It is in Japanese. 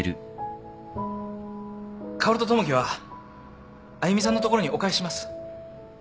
薫と友樹はあゆみさんのところにお返しします。